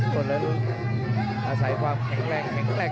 คนละทุกคนแต่ใสความแข็งแรกนะครับ